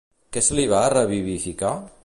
Què se li va revivificar?